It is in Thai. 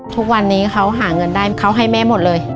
ทุกวันนี้เขาหาเงินได้เขาให้แม่หมดเลย